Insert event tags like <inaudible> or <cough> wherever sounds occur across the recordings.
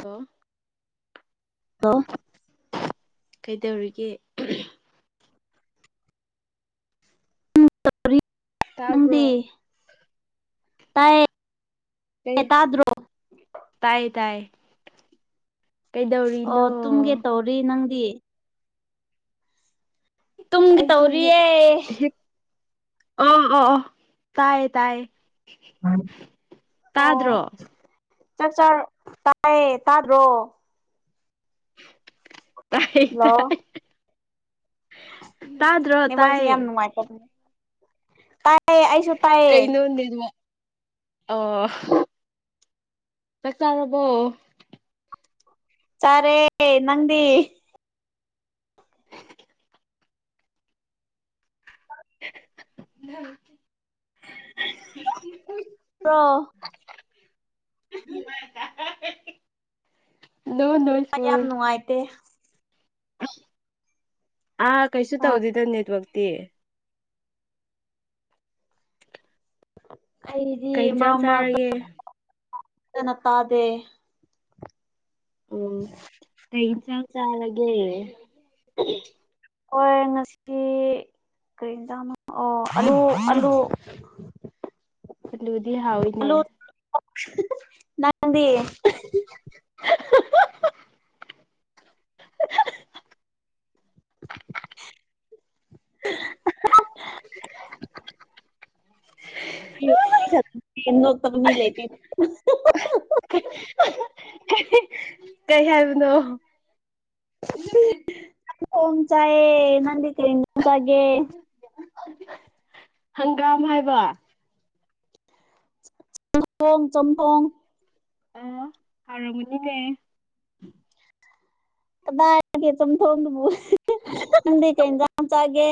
Hello hello ꯀꯩꯗꯧꯔꯤꯒꯦ ꯇꯥꯕ꯭ꯔꯣ ꯗꯤ ꯇꯥꯏ ꯀꯩ ꯇꯥꯗ꯭ꯔꯣ ꯇꯥꯏ ꯇꯥꯏ ꯀꯩꯗꯧꯔꯤꯅꯣ ꯑꯣ ꯇꯨꯝꯒꯦ ꯇꯧꯔꯤ ꯅꯪꯗꯤ ꯇꯨꯝꯒꯦ ꯑꯩꯁꯨ ꯍꯤꯞ ꯇꯧꯔꯤꯌꯦ ꯍꯤꯞ ꯑꯣ ꯑꯣ ꯑꯣ ꯇꯥꯏꯌꯦ ꯇꯥꯏꯌꯦ ꯑꯣ ꯇꯥꯗ꯭ꯔꯣ ꯆꯥꯛ ꯆꯥꯔꯣ ꯇꯥꯏꯌꯦ ꯇꯥꯗ꯭ꯔꯣ ꯇꯥꯏꯌꯦ ꯇꯥꯏ ꯇꯥꯗ꯭ꯔꯣ ꯅꯦꯠꯋ꯭ꯔꯛꯁꯦ ꯇꯥꯏꯌꯦ ꯌꯥꯝ ꯅꯉꯥꯏꯇꯦ ꯇꯥꯏ ꯀꯩꯩꯅꯣ ꯅꯦꯠꯋ꯭ꯔꯛ ꯑꯣ ꯆꯥꯛ ꯆꯥꯔꯕꯣ ꯆꯔꯦ ꯅꯪꯗꯤ <inaudible> ꯄ꯭ꯔꯣ ꯅꯣ ꯅꯣ ꯌꯥꯝ ꯅꯨꯡꯉꯥꯏꯇꯦ ꯑꯥ ꯀꯩꯁꯨ ꯍꯣꯏ ꯇꯧꯗꯦꯗ ꯅꯦꯠꯋꯛꯇꯤ ꯑꯩꯗꯤ ꯀꯩ ꯏꯟꯁꯥꯡ ꯃꯔꯛ ꯃꯔꯛꯇ ꯆꯥꯔꯒꯦ ꯐꯖꯅ ꯇꯥꯗꯦ ꯎꯝ <inaudible> ꯀꯩ ꯏꯟꯁꯥꯡ ꯆꯥꯔꯒꯦ ꯍꯣꯏ ꯉꯁꯤ ꯀꯩ ꯑꯦꯟꯖꯥꯡꯅꯣ ꯑꯣ ꯑꯥꯂꯨ ꯑꯥꯂꯨ ꯑꯂꯨꯗꯤ ꯍꯥꯎꯋꯤꯅꯦ ꯅꯪꯗꯤ <unintelligible> <unintelligible> ꯁꯛꯇꯤ ꯅꯣꯛꯇꯕ ꯃꯤ ꯂꯩꯇꯦ꯫ <unintelligible> ꯀꯩ ꯍꯥꯏꯕꯅꯣ꯫ ꯆꯝꯊꯣꯡ ꯆꯥꯏꯌꯦ ꯅꯪꯗꯤ ꯀꯔꯤ ꯌꯦꯟꯁꯥꯡ ꯆꯥꯒꯦ꯫ ꯍꯪꯒꯥꯝ ꯍꯥꯏꯕ꯫ ꯆꯝꯊꯣꯡ ꯆꯝꯊꯣꯡ꯫ ꯑꯣ ꯍꯥꯎꯔꯝꯃꯅꯤꯅꯦ꯫ ꯀꯗꯥꯏꯒꯦ ꯆꯝꯊꯣꯡꯗꯨꯕꯨ ꯅꯪꯗꯤ ꯀꯩ ꯑꯦꯟꯌꯥꯡ ꯆꯥꯒꯦ꯫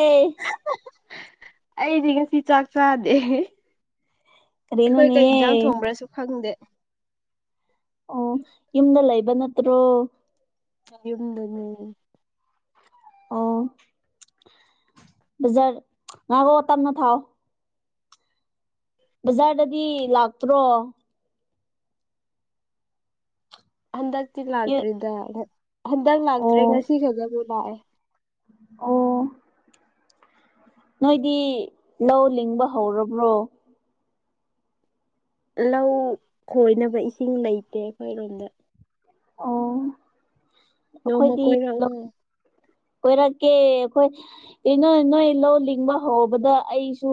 ꯑꯩꯗꯤ ꯉꯁꯤ ꯆꯥꯛ ꯆꯥꯗꯦ꯫ ꯑꯩꯈꯣꯏ ꯀꯔꯤꯅꯣꯅꯦ ꯀꯩ ꯏꯟꯖꯥꯡ ꯊꯣꯡꯕ꯭ꯔꯁꯨ ꯈꯪꯗꯦ꯫ ꯑꯣ ꯌꯨꯝꯗ ꯂꯩꯕ ꯅꯠꯇ꯭ꯔꯣ꯫ ꯌꯨꯝꯗꯅꯦ꯫ ꯑꯣ꯫ ꯕꯖꯥꯔ ꯉꯥꯒꯣ ꯇꯞꯅ ꯊꯥꯎ ꯕꯖꯥꯔꯗꯗꯤ ꯂꯥꯛꯇ꯭ꯔꯣ꯫ ꯍꯟꯗꯛꯇꯤ ꯂꯥꯛꯇ꯭ꯔꯤꯗ ꯍꯟꯗꯛ ꯑꯣ ꯂꯥꯛꯇ꯭ꯔꯦ ꯉꯁꯤ ꯈꯛꯇꯕꯨ ꯂꯥꯛꯑꯦ꯫ ꯑꯣ ꯅꯣꯏꯗꯤ ꯂꯧ ꯂꯤꯡꯕ ꯍꯧꯔꯕ꯭ꯔꯣ꯫ ꯂꯧ ꯈꯣꯏꯅꯕ ꯏꯁꯤꯡ ꯂꯩꯇꯦ ꯑꯩꯈꯣꯏꯔꯣꯝꯗ꯫ ꯑꯣ ꯑꯩꯈꯣꯏꯗꯤ ꯅꯣꯡꯃ ꯀꯣꯏꯔꯛꯎ ꯂꯧ꯫ ꯀꯣꯏꯔꯛꯀꯦ ꯑꯩꯈꯣꯏ꯫ ꯏ ꯅꯣꯏ ꯅꯣꯏ ꯂꯧ ꯂꯤꯡꯕ ꯍꯧꯕꯗ ꯑꯩꯁꯨ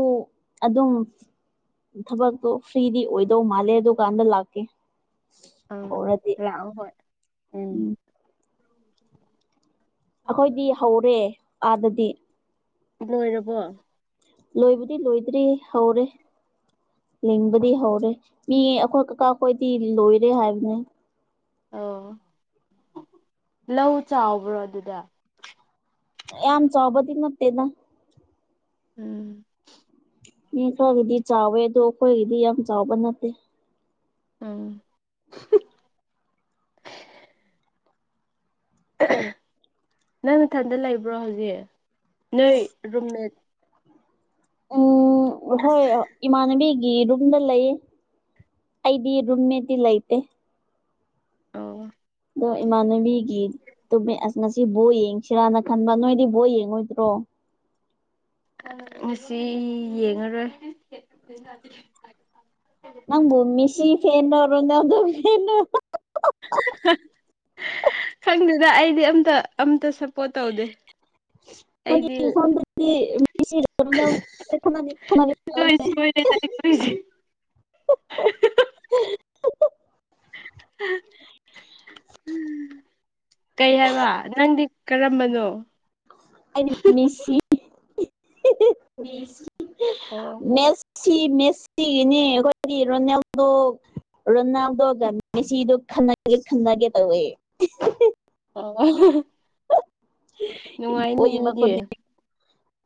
ꯑꯗꯨꯝ꯫ ꯊꯕꯛꯇꯣ ꯐ꯭ꯔꯤꯗꯤ ꯑꯣꯏꯗꯧ ꯃꯥꯜꯂꯦ ꯑꯗꯨ ꯀꯥꯟꯗ ꯂꯥꯛꯀꯦ꯫ ꯎꯝ ꯍꯧꯔꯗꯤ ꯂꯥꯛꯑꯣ ꯍꯣꯏ꯫ ꯎꯝ꯫ ꯑꯩꯈꯣꯏꯗꯤ ꯍꯧꯔꯦ ꯑꯥꯗꯗꯤ꯫ ꯂꯣꯏꯔꯕꯣ꯫ ꯂꯣꯏꯕꯗꯤ ꯂꯣꯏꯗ꯭ꯔꯤ ꯍꯧꯔꯦ꯫ ꯂꯤꯡꯕꯗꯤ ꯍꯧꯔꯦ ꯃꯤ ꯑꯩꯈꯣꯏ ꯀꯀꯥꯈꯣꯏꯗꯤ ꯂꯣꯏꯔꯦ ꯍꯥꯏꯕꯅꯦ꯫ ꯑꯣ ꯂꯧ ꯆꯥꯎꯕ꯭ꯔꯣ ꯑꯗꯨꯗ꯫ ꯌꯥꯝ ꯆꯥꯎꯕꯗꯤ ꯅꯠꯇꯦꯗ꯫ ꯎꯝ꯫ ꯃꯤ ꯈꯔꯒꯤꯗꯤ ꯆꯥꯎꯋꯦ ꯑꯗꯣ ꯑꯩꯈꯣꯏꯒꯤꯗꯤ ꯌꯥꯝ ꯆꯥꯎꯕ ꯅꯠꯇꯦ꯫ ꯎꯝ ꯅꯪ ꯅꯊꯟꯗ ꯂꯩꯕ꯭ꯔꯣ ꯍꯧꯖꯤꯛ ꯅꯣꯏ ꯔꯨꯝꯃꯦꯠ ꯎꯝ ꯍꯣꯏ ꯏꯃꯥꯟꯅꯕꯤꯒꯤ ꯔꯨꯝꯗ ꯂꯩꯌꯦ꯫ ꯑꯩꯗꯤ ꯔꯨꯝꯃꯦꯠꯇꯤ ꯂꯩꯇꯦ꯫ ꯑꯣ ꯅꯣꯏ ꯏꯃꯥꯟꯅꯕꯤꯒꯤ ꯇꯨꯝꯃꯦ ꯑꯁ ꯉꯁꯤ ꯕꯣ ꯌꯦꯡꯁꯤꯔꯥꯅ ꯈꯟꯕ ꯅꯣꯏꯗꯤ ꯕꯣ ꯌꯦꯡꯉꯣꯏꯗ꯭ꯔꯣ꯫ ꯉꯁꯤ ꯌꯦꯡꯉꯔꯣꯏ꯫ ꯅꯪꯕꯨ ꯃꯤꯁꯤ ꯐꯦꯟꯅꯣ ꯔꯣꯅꯥꯜꯗꯣ ꯐꯦꯟꯅꯣ꯫ ꯈꯪꯗꯦꯗ ꯑꯩꯗꯤ ꯑꯝꯇ ꯑꯝꯇ ꯁꯞꯄꯣꯔꯠ ꯇꯧꯗꯦ꯫ ꯑꯩꯗꯤ ꯑꯩꯈꯣꯏ ꯏꯝꯐꯥꯜꯗꯗꯤ ꯃꯦꯁꯤ ꯔꯣꯅꯥꯜꯗꯣ ꯈꯠꯅꯒꯦ ꯈꯠꯅꯒꯦ ꯇꯧꯋꯦ꯫ <unintelligible> ꯍꯦ ꯍꯦ꯫ ꯀꯩ ꯍꯥꯏꯕ ꯅꯪꯗꯤ ꯀꯔꯝꯕꯅꯣ꯫ ꯑꯩꯗꯤ ꯃꯦꯁꯤ ꯏꯍꯍ ꯃꯤꯁꯤ ꯑꯣ ꯃꯦꯁ ꯃꯦꯁꯤ ꯃꯦꯁꯤꯅꯦ ꯑꯩꯈꯣꯏꯗꯤ ꯔꯣꯅꯥꯜꯗꯣ ꯔꯣꯅꯥꯜꯗꯣꯒ ꯃꯦꯁꯤꯗꯨ ꯈꯟꯅꯒꯦ ꯈꯟꯅꯒꯦ ꯇꯧꯋꯦ꯫ ꯑꯣ <unintelligible> ꯍ ꯅꯨꯡꯉꯥꯏꯅꯤ ꯅꯣꯏꯗꯤ <unintelligible>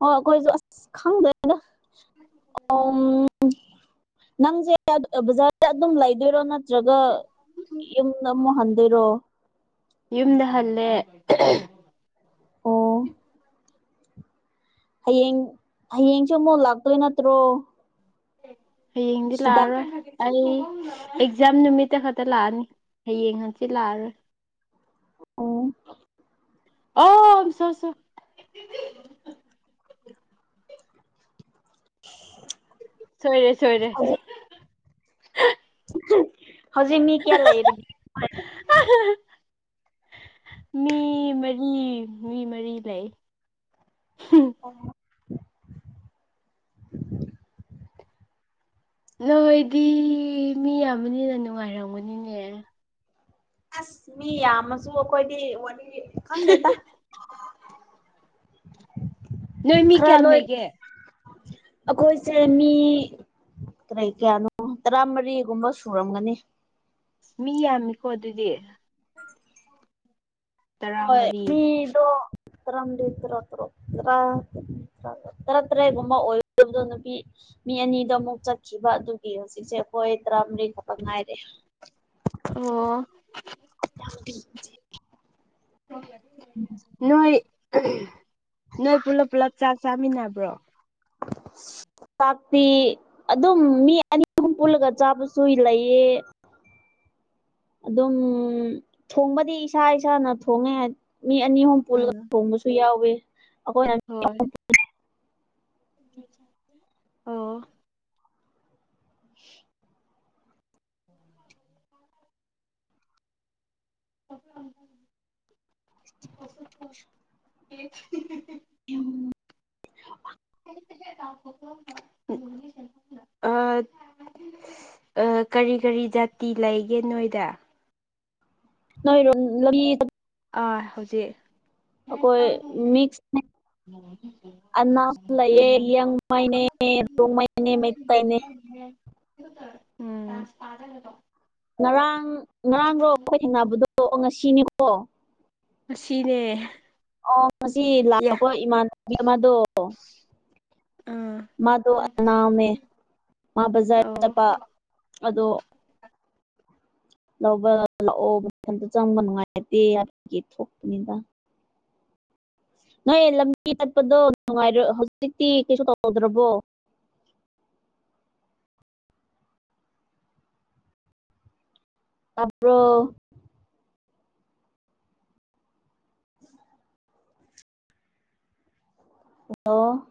ꯑꯩꯈꯣꯏꯁꯨ ꯑꯁ ꯈꯪꯗꯦꯗ ꯑꯣꯝ ꯅꯪꯖꯦ ꯕꯖꯥꯔꯗ ꯑꯗꯨꯝ ꯂꯩꯗꯣꯏꯔꯣ ꯅꯠ ꯖꯒꯥ ꯌꯨꯝꯗ ꯑꯃꯨꯛ ꯍꯟꯗꯣꯏꯔꯣ ꯌꯨꯝꯗ ꯍꯜꯂꯦ ꯑꯣ ꯍꯌꯦꯡ ꯍꯌꯦꯡꯁꯨ ꯑꯃꯨꯛ ꯂꯥꯛꯇꯣꯏ ꯅꯠꯇ꯭ꯔꯣ ꯍꯌꯦꯡꯗꯤ ꯁꯤꯗ ꯂꯥꯛꯑꯔꯣꯏ ꯑꯩ ꯑꯦꯛꯖꯥꯝ ꯅꯨꯃꯤꯠꯇ ꯈꯛꯇ ꯂꯥꯛꯑꯅꯤ ꯍꯌꯦꯡ ꯍꯟꯆꯤꯠ ꯂꯥꯛꯑꯒ ꯑꯣ ꯑꯣꯝ ꯁꯨ ꯁꯨ ꯁꯣꯏꯔꯦ ꯁꯣꯏꯔꯦ <inaudible> ꯍꯧꯖꯤꯛ ꯃꯤ ꯀꯌꯥ ꯂꯩꯔꯤ <inaudible> ꯃꯤ ꯃꯔꯤ ꯃꯤ ꯃꯔꯤ ꯂꯩ ꯑꯣ ꯅꯣꯏꯗꯤ ꯃꯤ ꯌꯥꯝꯕꯅꯤꯅ ꯅꯨꯡꯉꯥꯏꯔꯝꯒꯅꯤꯅꯦ ꯑꯁ ꯃꯤ ꯌꯥꯝꯃꯁꯨ ꯑꯩꯈꯣꯏꯗꯤ ꯋꯥꯔꯤ ꯈꯪꯗꯦꯗ ꯅꯣꯏ ꯃꯤ ꯈꯔꯥ ꯀꯌꯥꯝ ꯂꯣꯏ ꯂꯩꯒꯦ ꯑꯩꯈꯣꯏꯁꯦ ꯃꯤ ꯀꯔꯤ ꯀꯌꯥꯅꯣ ꯇꯔꯥ ꯃꯔꯤꯒꯨꯝꯕ ꯁꯨꯔꯝꯒꯅꯤ ꯃꯤ ꯌꯥꯝꯃꯤꯀꯣ ꯑꯗꯨꯗꯤ ꯇꯔꯥꯃꯔꯤ ꯇꯟꯗꯤꯗ ꯔ꯭ꯔꯣ ꯔ꯭ꯔ <unintelligible> ꯇꯥꯔꯦꯠ ꯇꯥꯔꯦꯠꯒꯨꯝꯕ ꯑꯣꯏꯗꯕꯗꯣ ꯅꯨꯄꯤ ꯃꯤ ꯑꯅꯤꯗꯣ ꯑꯃꯨꯛ ꯆꯠꯈꯤꯕ ꯑꯗꯨꯒꯤ ꯍꯧꯖꯤꯛꯁꯦ ꯑꯩꯈꯣꯏ ꯇꯔꯥꯃꯔꯤ ꯈꯛꯇ ꯉꯥꯏꯔꯦ ꯑꯣ ꯅꯣꯏ ꯅꯣꯏ ꯄꯨꯂꯞ ꯄꯨꯂꯞ ꯆꯥꯛ ꯆꯥꯃꯤꯟꯅꯕ꯭ꯔꯣ ꯇꯥꯛꯄꯤ ꯑꯗꯨꯝ ꯃꯤ ꯑꯅꯤ ꯑꯍꯨꯝ ꯄꯨꯜꯂꯒ ꯆꯥꯕꯁꯨ ꯂꯩꯌꯦ ꯑꯗꯨꯝ ꯊꯣꯡꯕꯗꯤ ꯏꯁꯥ ꯏꯁꯥꯅ ꯊꯣꯡꯉꯦ ꯃꯤ ꯑꯅꯤ ꯑꯍꯨꯝ ꯄꯨꯜꯂ ꯎꯝ ꯊꯣꯡꯕꯁꯨ ꯌꯥꯎꯋꯤ ꯑꯈꯣꯏ <unintelligible> ꯑꯥ <inaudible> <inaudible> <inaudible> <inaudible> <inaudible> ꯑ ꯀꯔꯤ ꯀꯔꯤ ꯖꯥꯇꯤ ꯂꯩꯒꯦ ꯅꯣꯏꯗ ꯅꯣꯏꯔꯣ <unintelligible> ꯑꯥ ꯍꯧꯖꯤꯛ ꯑꯀꯣꯏ ꯃꯤꯛꯁ ꯅꯦ <inaudible> ꯑꯅꯥꯖ ꯂꯩꯌꯦ ꯎꯝ ꯌꯦ ꯃꯅꯦ ꯗꯣꯡ ꯃꯅꯦ ꯃꯩꯇꯩꯅꯦ <inaudible> ꯉꯔꯥꯡ ꯉꯔꯥꯡꯔꯣ ꯑꯈꯣꯏ ꯊꯦꯡꯅꯕꯗꯣ ꯉꯁꯤꯅꯦꯀꯣ ꯉꯁꯤꯅꯦ ꯑꯣ ꯉꯁꯤ ꯂꯥꯛꯄ ꯏꯃꯥꯟꯅꯕꯤ ꯑꯃꯗꯣ ꯑꯥ ꯃꯥꯗꯣ ꯅꯅꯥꯝꯅꯦ ꯃꯥ ꯕꯖꯥꯔ ꯑꯣ ꯆꯠꯄ ꯑꯗꯣ ꯂꯧꯕ ꯂꯥꯛꯑꯣꯊꯟꯇ ꯆꯪꯕ ꯅꯨꯡꯉꯥꯏꯇꯦ ꯍꯥꯏꯕꯒꯤ ꯊꯣꯛꯄꯅꯤꯗ ꯅꯣꯏ ꯂꯝꯕꯤ ꯇꯠꯄꯗꯣ ꯅꯨꯡꯉꯥꯏꯔ ꯍꯧꯖꯤꯛꯇꯤ ꯀꯩꯁꯨ ꯇꯧꯗ꯭ꯔꯕꯣ ꯇꯞ꯭ꯔꯣ ꯂꯣ